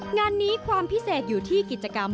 งานนี้ความพิเศษอยู่ที่กิจกรรม